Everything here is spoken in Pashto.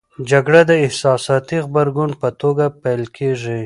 جګړه د احساساتي غبرګون په توګه پیل کېږي.